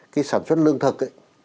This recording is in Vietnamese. cái sản xuất lương thực ấy